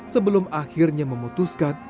sebelum akhirnya memutuskan